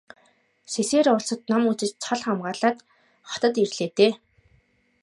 Сэсээр улсад ном үзэж цол хамгаалаад хотод ирээ л дээ.